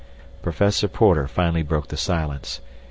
Professor Porter finally broke the silence.